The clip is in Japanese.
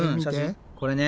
これね。